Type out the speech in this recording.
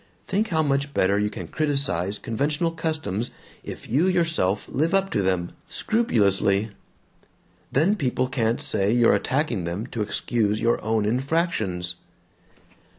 Think how much better you can criticize conventional customs if you yourself live up to them, scrupulously. Then people can't say you're attacking them to excuse your own infractions."